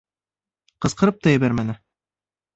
Ҡысҡырып та ебәрмәне.